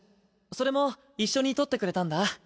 それも一緒に採ってくれたんだ。